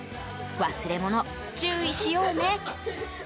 忘れ物、注意しようね。